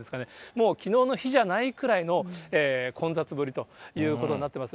もうきのうの比じゃないくらいの混雑ぶりということになってます。